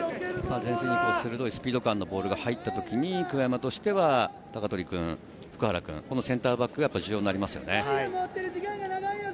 前線に鋭いスピード感のあるボールが入った時に久我山としては鷹取君、普久原君、センターバックが重要になりますね。